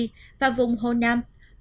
bao gồm thành phố gwangju tỉnh nam và bắc seoul